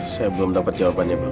saya belum dapat jawabannya bang